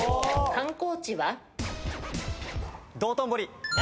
観光地は？